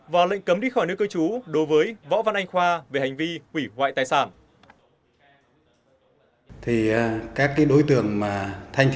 và lệnh cấm đi khỏi nước cơ chú đối với võ văn anh khoa về hành vi quỷ hoại tài sản